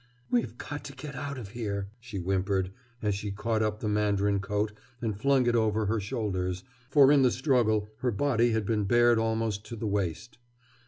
"We've got to get out of here!" she whimpered, as she caught up the mandarin coat and flung it over her shoulders, for in the struggle her body had been bared almost to the waist.